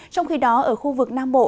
trong khi đó ở khu vực nam bộ